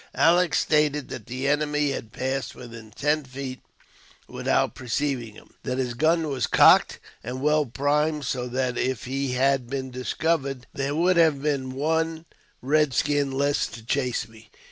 " Aleck stated that the enemy had passed within ten feet without perceiving him; that his gun was cocked and well primed, so that if he had been discovered there would have been one red skin less to chase me.